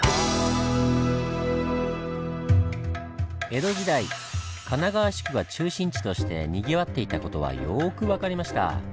江戸時代神奈川宿が中心地としてにぎわっていた事はよく分かりました。